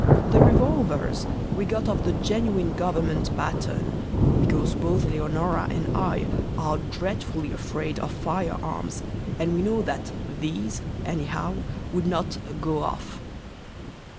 The revolvers we got of the genuine Government pattern, because both Leonora and I are dreadfully afraid of fire arms, and we knew that these, anyhow, would not 'go off.'